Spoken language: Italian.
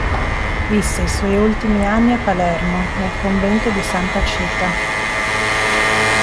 Visse i suoi ultimi anni a Palermo, nel convento di Santa Cita.